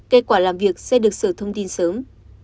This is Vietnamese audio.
kết quả làm việc sẽ được sở thông tin sớm